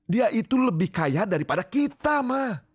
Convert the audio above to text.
dia itu lebih kaya daripada kita mah